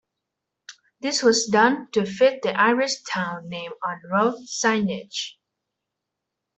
This was done to fit the Irish town name on road signage.